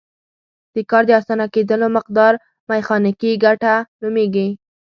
د کار د اسانه کیدلو مقدار میخانیکي ګټه نومیږي.